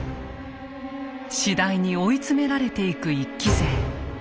次第に追い詰められていく一揆勢。